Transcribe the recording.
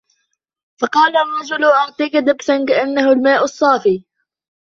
فقال الرجل أعطيك دبساً كأنه الماء الصافي